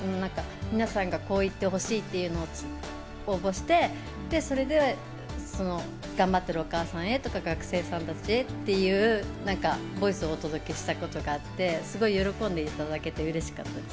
皆さんがこう言ってほしいっていうのを募集して頑張ってるお母さんへとか学生さんたちへっていうボイスをお届けしたことがあって喜んでいただけて、うれしかったです。